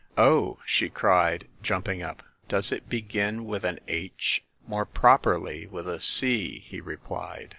"Oh!" she cried, jumping up, "does it begin with anH?" "More properly with a C," he replied.